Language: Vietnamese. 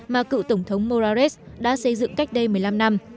mà cựu tổng thống morales đã xây dựng cách đây một mươi năm năm